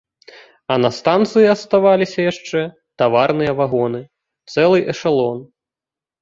А на станцыі аставаліся яшчэ таварныя вагоны, цэлы эшалон.